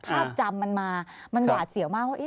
ภาพจำมันมามันหวาดเสียวมากว่า